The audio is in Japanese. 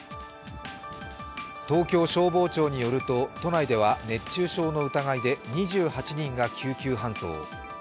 東京消防庁によると都内では熱中症の疑いで２８人が救急搬送。